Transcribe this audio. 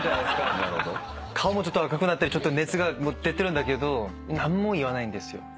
顔もちょっと赤くなったりちょっと熱が出てるんだけど何も言わないんですよ。